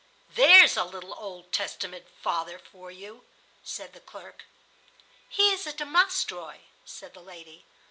"There's a little Old Testament father for you," said the clerk. "He is a Domostroy,"[*] said the lady.